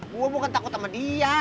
gue bukan takut sama dia